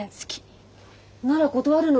なら断るのね。